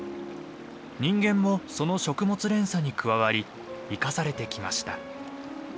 人間もその食物連鎖に加わり生かされてきました。